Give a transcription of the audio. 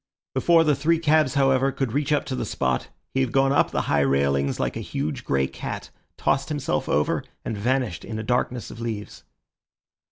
Before the three cabs, however, could reach up to the spot, he had gone up the high railings like a huge grey cat, tossed himself over, and vanished in a darkness of leaves.